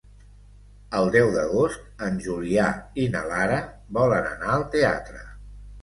El deu d'agost en Julià i na Lara volen anar al teatre.